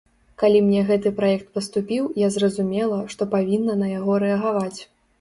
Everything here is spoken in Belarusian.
Калі мне гэты праект паступіў, я зразумела, што павінна на яго рэагаваць.